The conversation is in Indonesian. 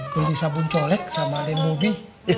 beli sabun colek sama demobi